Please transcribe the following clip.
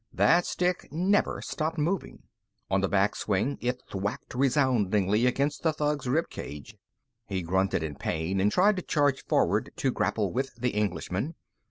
That stick never stopped moving. On the backswing, it thwacked resoundingly against the thug's ribcage. He grunted in pain and tried to charge forward to grapple with the Englishman.